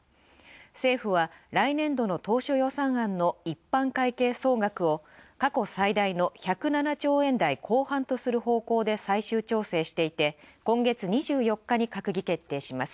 政府は来年度の当初予算案の一般会計総額を過去最大の１０７兆円台後半とする方向で最終調整していて今月２４日に閣議決定します。